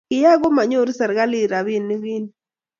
kiyai komanyoru serikalit robinik kiit ni